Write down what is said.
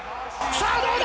さあ、どうだ？